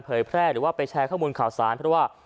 แพร่หรือว่าไปแชร์ข้อมูลข่าวสารเพราะว่า